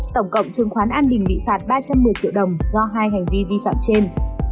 tổng cộng trường khoán an bình bị phạt ba trăm một mươi triệu đồng do hai hành vi vi phạm trên